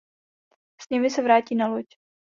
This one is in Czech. S nimi se vrátí na loď.